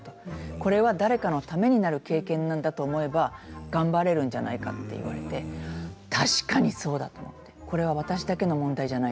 これは誰かのためになる経験なんだと思えば頑張れるんじゃないかと言われて確かにそうだと思ってこれは私だけの問題じゃない。